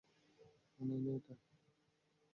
মানায় না এটা।